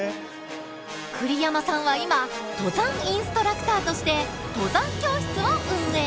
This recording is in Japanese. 栗山さんは今登山インストラクターとして登山教室を運営。